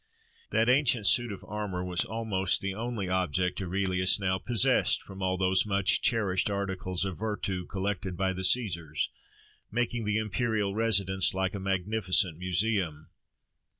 That ancient suit of armour was almost the only object Aurelius now possessed from all those much cherished articles of vertu collected by the Caesars, making the imperial residence like a magnificent museum.